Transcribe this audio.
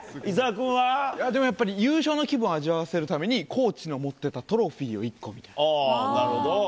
でもやっぱり、優勝の気分を味あわせるためにコーチの持ってたトロフィーを１個なるほど。